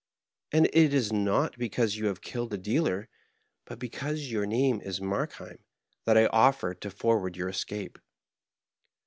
And it is not because you have killed a dealer, but be cause your name is Markheim, that I offer to forward your escape.''